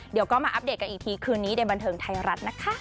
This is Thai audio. เดี๋ยวก็มาอัปเดตกันอีกทีคืนนี้ในบันเทิงไทยรัฐนะคะ